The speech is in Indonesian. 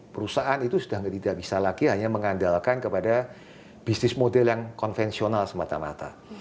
perusahaan itu sudah tidak bisa lagi hanya mengandalkan kepada bisnis model yang konvensional semata mata